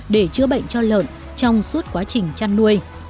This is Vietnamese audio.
để chữa bệnh cho lợn trong suốt quá trình chăn nuôi